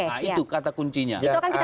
nah itu kata kuncinya